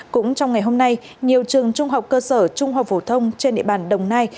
cũng trong ngày hôm nay nhiều trường trung học cơ sở trung học phổ thông trên địa bàn đồng nai